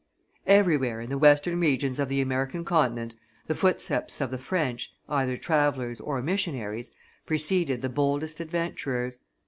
Everywhere, in the western regions of the American continent, the footsteps of the French, either travellers or missionaries, preceded the boldest adventurers.